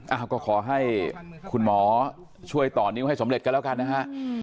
อ้าวก็ขอให้คุณหมอช่วยต่อนิ้วให้สำเร็จกันแล้วกันนะฮะ